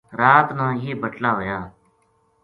رات نا یہ بٹلا ھویا